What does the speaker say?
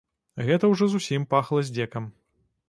Гэта ўжо зусім пахла здзекам.